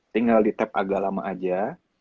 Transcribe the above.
tinggal di tap agak lama aja